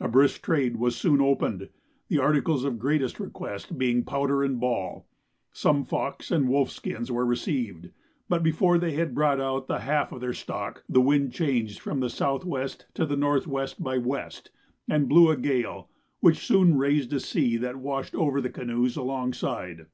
A brisk trade was soon opened; the articles in greatest request being powder and ball. Some fox and wolf skins were received; but before they had brought out the half of their stock, the wind changed from S.W. to N.W. by W. and blew a gale, which soon raised a sea that washed over the canoes alongside.